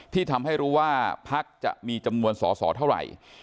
ที่ทำให้รู้ว่าพักจะมีจำนวนสอสอเท่าไหร่